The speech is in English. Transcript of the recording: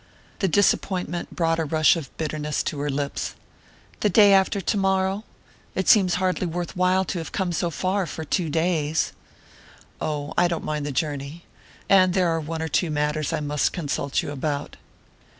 The disappointment brought a rush of bitterness to her lips. "The day after tomorrow? It seems hardly worth while to have come so far for two days!" "Oh, I don't mind the journey and there are one or two matters I must consult you about."